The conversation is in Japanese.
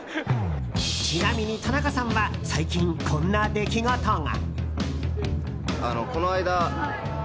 ちなみに、田中さんは最近こんな出来事が。